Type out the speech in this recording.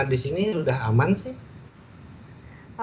disini sudah aman sih